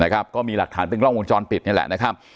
ก็มีหลักฐานเป็นกล้องวงจรปิดนี่แหละนะครับ